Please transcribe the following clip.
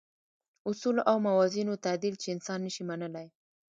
اصولو او موازینو تعدیل چې انسان نه شي منلای.